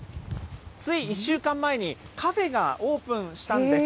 つい１週間前にカフェがオープンしたんです。